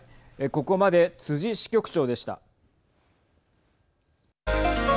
ここまで逵支局長でした。